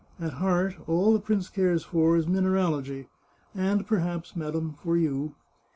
At heart, all the prince cares for is mineralogy — and per haps, madam, for you